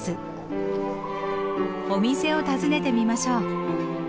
お店を訪ねてみましょう。